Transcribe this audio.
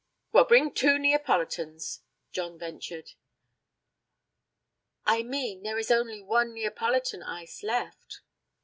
'Well, bring two Neapolitans,' John ventured. 'I mean there is only one Neapolitan ice left.'